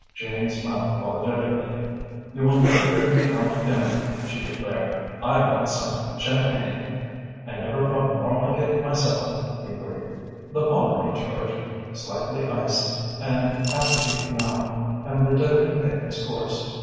Jane smiled apologetically. "You will never bring me out again," she declared. "I want some champagne." "I never felt more like it myself," he agreed. "The Pommery, George, slightly iced, an aperitif now, and the dinner can take its course.